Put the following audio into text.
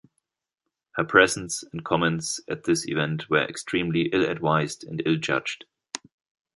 Her presence and comments at this event were extremely ill-advised and ill-judged.